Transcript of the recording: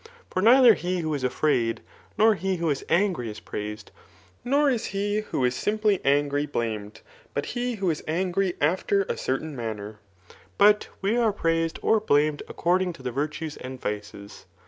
For neidier he who is afraid, nor he who is angry is praised, nor is he who is simply angry blamed, but he who is angry after a certam manner ; but we are praised or blamed according to the Tirtues and vices.